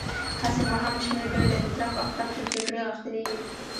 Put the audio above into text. هسې مو هم شمېر ډېر دی، د ترپ او خرپ پر جګړې غښتلي يو.